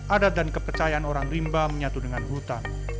adat dan kepercayaan orang rimba menyatu dengan hutan